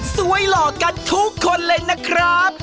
สวยหลอกกันทุกคนเลยนะครับ